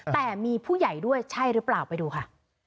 แต่มีผู้ใหญ่ด้วยใช่หรือเปล่าไปดูค่ะ